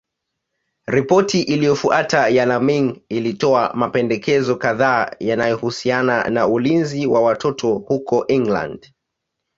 Ripoti iliyofuata ya Laming ilitoa mapendekezo kadhaa yanayohusiana na ulinzi wa watoto huko England.